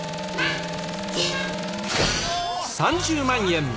３０万円！